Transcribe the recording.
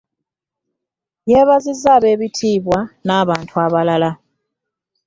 Yeebazizza abeebitiibwa n'abantu abalala.